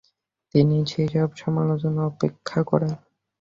তিনি সেইসব সমালোচনা উপেক্ষা করেন।